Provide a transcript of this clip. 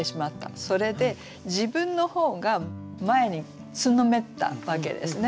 それで自分の方が前につんのめったわけですね。